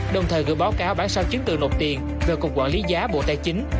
đồng thời gửi báo cáo bán sao chiến tự nộp tiền về cục quản lý giá bộ tài chính